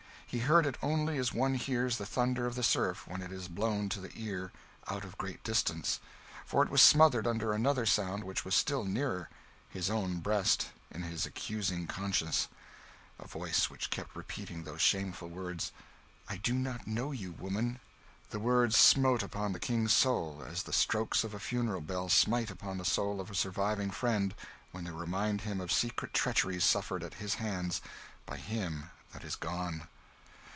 He heard it only as one hears the thunder of the surf when it is blown to the ear out of a great distance, for it was smothered under another sound which was still nearer, in his own breast, in his accusing conscience a voice which kept repeating those shameful words, "I do not know you, woman!" The words smote upon the King's soul as the strokes of a funeral bell smite upon the soul of a surviving friend when they remind him of secret treacheries suffered at his hands by him that is gone.